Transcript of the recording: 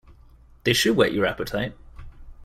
This should whet your appetite.